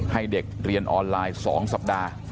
ให้เด็กเรียนออนไลน์๒สัปดาห์